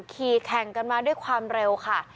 ขี่แข่งกันมาด้วยความเร็วค่ะ